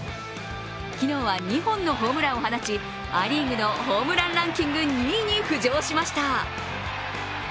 昨日は２本のホームランを放ち、ア・リーグのホームランランキング２位に浮上しました。